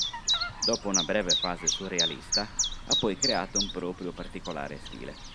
Dopo una breve fase surrealista ha poi creato un proprio particolare stile.